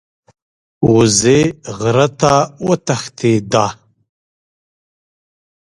وزې غره ته وتښتیده.